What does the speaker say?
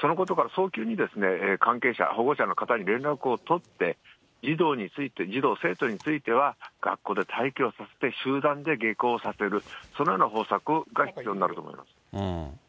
そのことから早急に関係者、保護者の方に連絡を取って、児童について、児童・生徒については、学校で待機をさせて集団で下校させる、そのような方策が必要になると思います。